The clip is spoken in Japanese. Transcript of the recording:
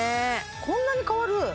こんなに変わる？